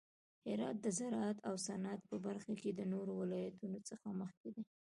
هرات د زراعت او صنعت په برخه کې د نورو ولایتونو څخه مخکې دی.